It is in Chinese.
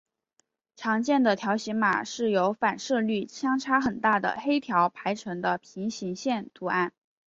常见的条形码是由反射率相差很大的黑条排成的平行线图案。